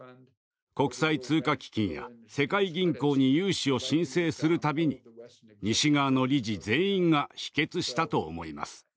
国際通貨基金や世界銀行に融資を申請するたびに西側の理事全員が否決したと思います。